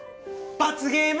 罰ゲーム！